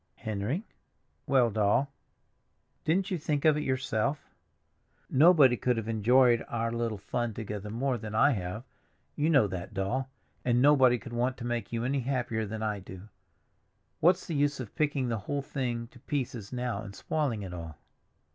"Henry?" "Well, Doll." "Didn't you think of it, yourself?" "Nobody could have enjoyed our little fun together more than I have, you know that, Doll; and nobody could want to make you any happier than I do. What's the use of picking the whole thing to pieces now and spoiling it all?"